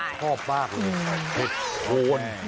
ชอบมากเลยเห็ดโครน